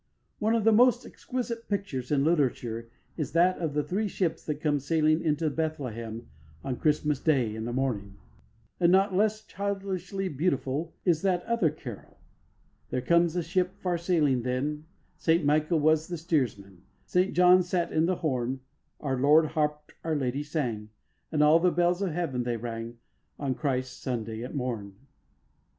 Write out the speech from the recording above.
One of the most exquisite pictures in literature is that of the three ships that come sailing into Bethlehem "on Christmas Day, in the morning"; and not less childishly beautiful is that other short carol: There comes a ship far sailing then, Saint Michael was the steersman, Saint John sat in the horn; Our Lord harped, our Lady sang, And all the bells of Heaven they rang, On Christ's Sunday at morn.